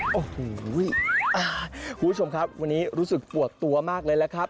โอ้โหคุณผู้ชมครับวันนี้รู้สึกปวดตัวมากเลยล่ะครับ